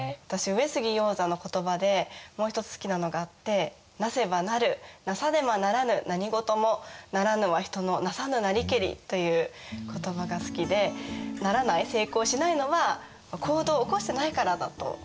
私上杉鷹山の言葉でもう一つ好きなのがあって「なせば成るなさねば成らぬ何事も成らぬは人のなさぬなりけり」という言葉が好きでならない成功しないのは行動を起こしてないからだと。